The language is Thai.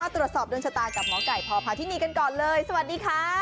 ตรวจสอบดวงชะตากับหมอไก่พพาธินีกันก่อนเลยสวัสดีค่ะ